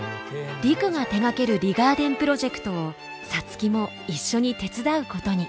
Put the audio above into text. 陸が手がけるリガーデンプロジェクトを皐月も一緒に手伝うことに。